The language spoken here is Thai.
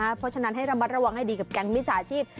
เพราะฉะนั้นให้ระมัดระวังให้ดีกับแก๊งมิจฉาชีพ